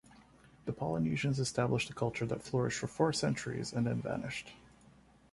The Polynesians established a culture that flourished for four centuries and then vanished.